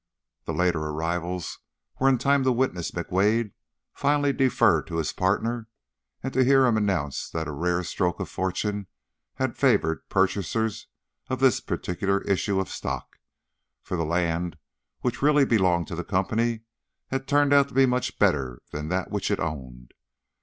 The later arrivals were in time to witness McWade finally defer to his partner and to hear him announce that a rare stroke of fortune had favored purchasers of this particular issue of stock, for the land which really belonged to the company had turned out to be much better than that which it owned.